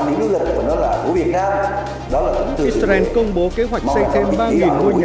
israel công bố kế hoạch xây thêm ba ngôi nhà